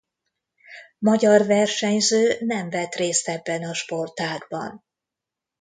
Magyar versenyző nem vett részt ebben a sportágban.